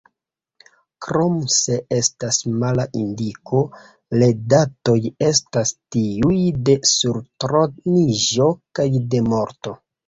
Krom se estas mala indiko, le datoj estas tiuj de surtroniĝo kaj de morto.